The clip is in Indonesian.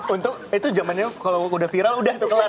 untuk itu zamannya kalau udah viral udah tuh kelar